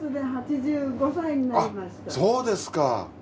あっそうですか。